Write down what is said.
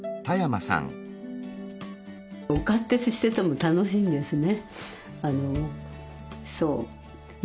お勝手してても楽しいんですね。